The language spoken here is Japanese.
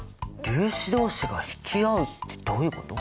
「粒子どうしが引き合う」ってどういうこと？